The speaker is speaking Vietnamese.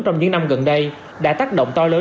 trong những năm gần đây đã tác động to lớn